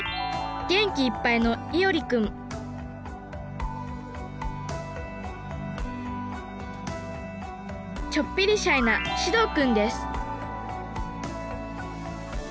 元気いっぱいのいおり君ちょっぴりシャイなしどう君です